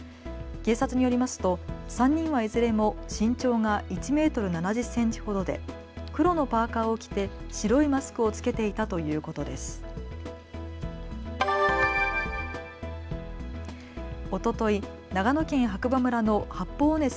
警察によりますと３人はいずれも身長が１メートル７０センチほどで黒色のパーカーを着て白いマスクを着けていたということです。